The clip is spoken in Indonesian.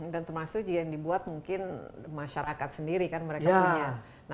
dan termasuk yang dibuat mungkin masyarakat sendiri kan mereka punya